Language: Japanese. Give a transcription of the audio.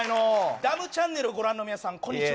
ダムチャンネルご覧の皆さん、こんにちは。